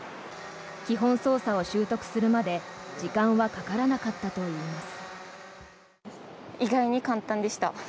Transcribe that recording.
基本操作を習得するまで時間はかからなかったといいます。